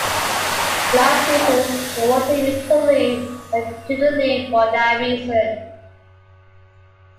Last season, they wanted me to leave but I couldn't leave for that reason.